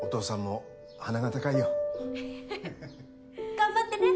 頑張ってね。